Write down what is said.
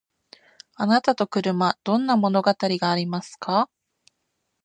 あなたと車どんな物語がありますか？